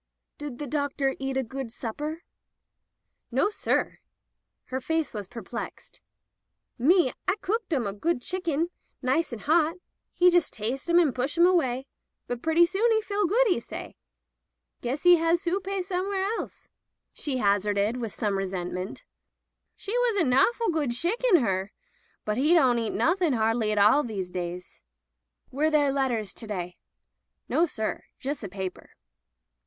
"Did the doctor eat a good supper?" "Nossir." Her face was perplexed. "Me, I cooked 'em a good shicken, nice and hot. He jus' tas'e 'em and push 'em away. But pretty soon 'e feel good, 'e say. Guess 'e had soopay somewheres else," she hazarded with [ 400 ] Digitized by LjOOQ IC At Ephesus some resentment. "She was a nawful good shicken, her. But 'e don't eat nothing hardly at all these days." "Were there letters to day?'* "Nossir; jus' a paper."